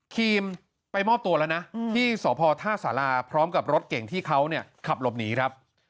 ทีมไปมอบตัวแล้วนะที่สพท่าสาราพร้อมกับรถเก่งที่เขาเนี่ยขับหลบหนีครับ